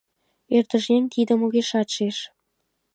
Ӧрдыж еҥ тидым огешат шиж.